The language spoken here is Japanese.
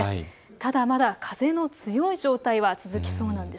ただ、まだ風の強い状態が続きそうです。